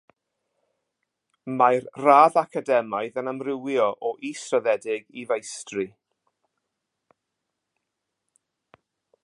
Mae'r radd academaidd yn amrywio o is-raddedig i feistri.